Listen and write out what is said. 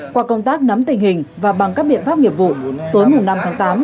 qua công tác nắm tình hình và bằng các biện pháp nghiệp vụ tối năm tháng tám